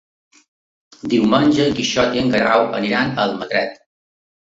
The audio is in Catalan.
Diumenge en Quixot i en Guerau aniran a Almatret.